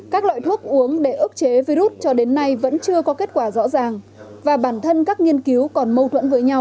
các loại thuốc uống để ức chế virus cho đến nay vẫn chưa có kết quả rõ ràng và bản thân các nghiên cứu còn mâu thuẫn với nhau